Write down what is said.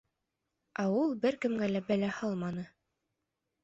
Ә ул бер кемгә лә бәлә һалманы.